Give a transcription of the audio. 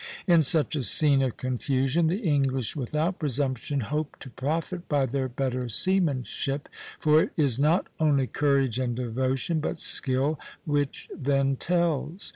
In such a scene of confusion the English, without presumption, hoped to profit by their better seamanship; for it is not only "courage and devotion," but skill, which then tells.